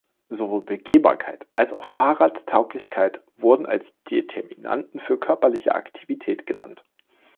Sowohl Begehbarkeit als auch Fahrradtauglichkeit wurden als Determinanten für körperliche Aktivität genannt.